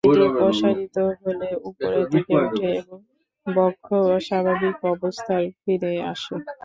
এটি প্রসারিত হলে উপরের দিকে উঠে এবং বক্ষ স্বাভাবিক অবস্থায় ফিরে আসে।